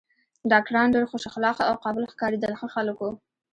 ډاکټران ډېر خوش اخلاقه او قابل ښکارېدل، ښه خلک و.